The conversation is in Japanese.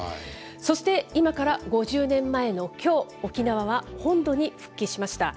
そして今から５０年前のきょう、沖縄は本土に復帰しました。